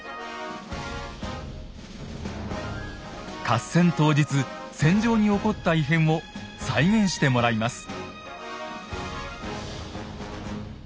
合戦当日戦場に起こった異変を再現してもらいます。